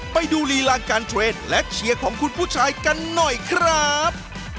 ไปดูลีลาการเทรดและเชียร์ของคุณผู้ชายกันหน่อยครับ